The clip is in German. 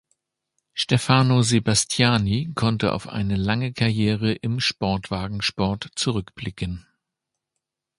Stefano Sebastiani konnte auf eine lange Karriere im Sportwagensport zurückblicken.